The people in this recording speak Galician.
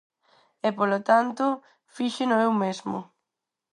E, polo tanto, fíxeno eu mesmo.